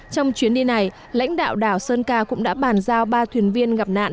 trong chuyến đi này lãnh đạo đảo sơn ca cũng đã bàn giao ba thuyền viên gặp nạn